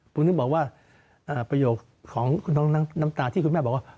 ปุ๊บนึงบอกว่าประโยคของน้ำตาที่คุณแม่บอกว่า